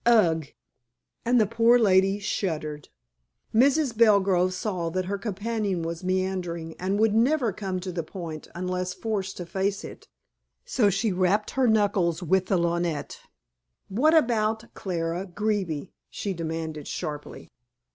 Ugh!" and the poor lady shuddered. Mrs. Belgrove saw that her companion was meandering, and would never come to the point unless forced to face it, so she rapped her knuckles with the lorgnette. "What about Clara Greeby?" she demanded sharply.